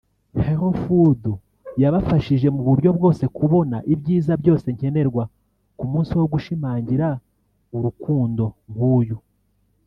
Hellofood yabafashije mu buryo bwose kubona ibyiza byose nkenerwa ku munsi wo gushimangira urukundo nk’uyu